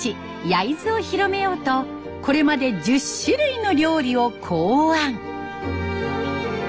焼津を広めようとこれまで１０種類の料理を考案。